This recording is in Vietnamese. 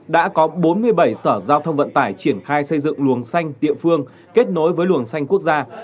đã có bốn mươi bảy sở giao thông vận tải triển khai xây dựng luồng xanh địa phương kết nối với luồng xanh quốc gia